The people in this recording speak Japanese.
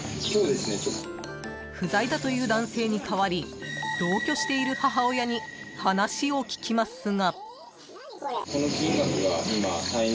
［不在だという男性に代わり同居している母親に話を聞きますが］